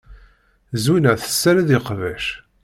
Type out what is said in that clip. Zwina tessared iqbac.